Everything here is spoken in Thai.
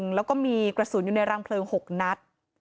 แล้วก็มีกระสุนอยู่ในรังเพลิง๖นัด